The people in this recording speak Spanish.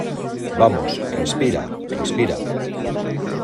vamos, respira , respira.